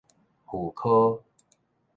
婦科